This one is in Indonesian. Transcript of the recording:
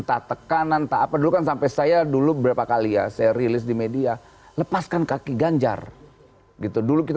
bahkan ada yang berniat